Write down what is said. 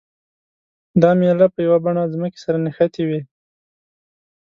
دا میله په یوه بڼه ځمکې سره نښتې وي.